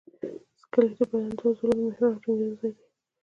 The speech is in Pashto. سکلیټ د بدن د عضلو د محور او ټینګېدو ځای دی.